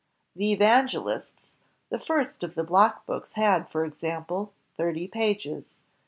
The Evangelists, the first of the block books, had, for ex ample, thirty pages.